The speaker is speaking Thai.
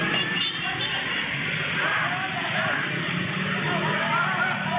แล้วไม่รู้ว่าสุดจะได้